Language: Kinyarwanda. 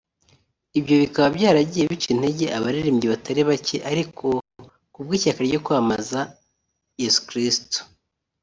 Ibyo bikaba byaragiye bica intege abaririmbyi batari bacye ariko kubw’ishyaka ryo kwamamaza Yesu Kristo